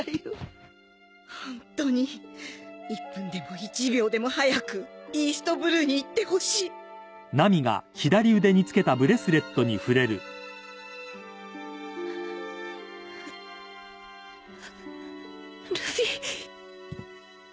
ホントに１分でも１秒でも早くイーストブルーに行ってほしいルフィ